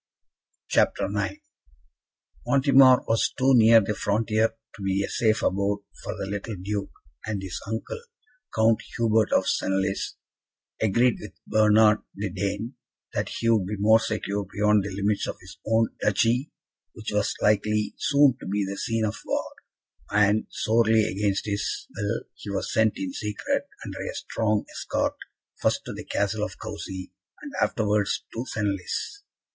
CHAPTER IX Montemar was too near the frontier to be a safe abode for the little Duke, and his uncle, Count Hubert of Senlis, agreed with Bernard the Dane that he would be more secure beyond the limits of his own duchy, which was likely soon to be the scene of war; and, sorely against his will, he was sent in secret, under a strong escort, first to the Castle of Coucy, and afterwards to Senlis.